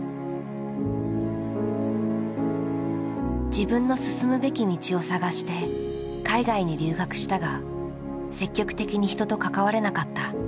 自分の進むべき道を探して海外に留学したが積極的に人と関われなかった。